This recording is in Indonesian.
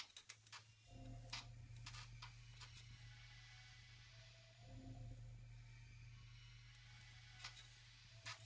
pabrikan obat ceguar